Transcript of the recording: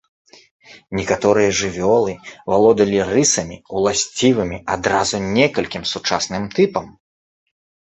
Некаторыя жывёлы, валодалі рысамі, уласцівымі адразу некалькім сучасным тыпам.